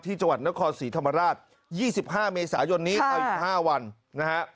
ที่จังหวัดนครศรีธรรมราชยี่สิบห้าเมษายนนี้ค่ะอีกห้าวันนะฮะ